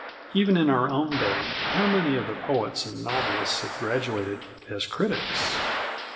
Even in our own day, how many of the poets and novelists have graduated as critics!